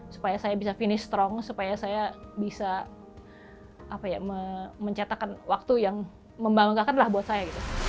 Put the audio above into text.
supaya saya bisa finish strong supaya saya bisa mencetakkan waktu yang membanggakan lah buat saya